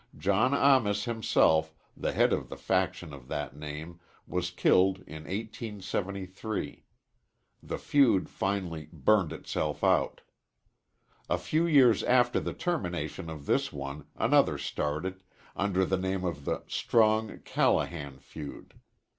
John Amis himself, the head of the faction of that name, was killed in 1873. The feud finally "burned itself out." A few years after the termination of this one another started, under the name of the Strong Callahan feud.